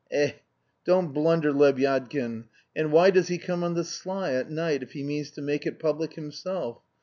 Eh, don't blunder, Lebyadkin! And why does he come on the sly, at night, if he means to make it public himself?